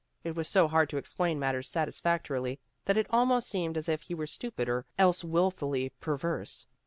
It was so hard to explain matters satisfactorily that it almost seemed as if he were stupid or else wilfully perverse.